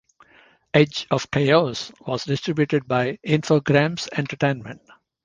"Edge of Chaos" was distributed by Infogrames Entertainment.